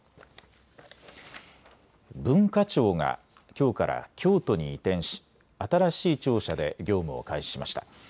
文化庁がきょうから京都に移転し新しい庁舎で業務を開始しました。